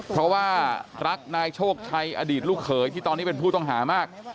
เพราะว่ารักนายโชคชัยอดีตลูกเขยที่ตอนนี้เป็นผู้ต้องหามาก